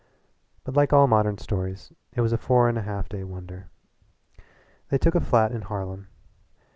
But like all modern stories it was a four and a half day wonder. They took a flat in Harlem.